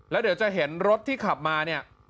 และเดี๋ยวจะเห็นรถที่ขับมา